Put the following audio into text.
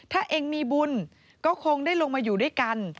ถ้าเองมีบุญก็คงได้ลงมาอยู่ด้วยกัน